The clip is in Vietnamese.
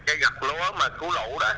cái gặp lúa mà cứu lũ đó